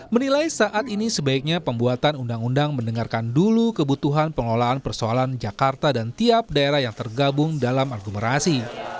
menilai saat ini sebaiknya pembuatan undang undang mendengarkan dulu kebutuhan pengelolaan persoalan jakarta dan tiap daerah yang tergabung dalam aglomerasi